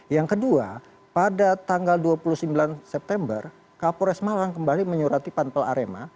yang kedua pada tanggal dua puluh sembilan september kapolres malang kembali menyurati panpel arema